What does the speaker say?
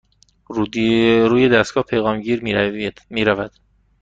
روی دستگاه پیغام گیر می رود.